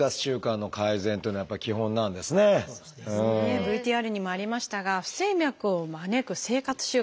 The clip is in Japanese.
ＶＴＲにもありましたが不整脈を招く生活習慣